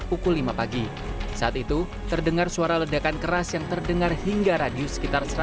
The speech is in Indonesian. pukul lima pagi saat itu terdengar suara ledakan keras yang terdengar hingga radius sekitar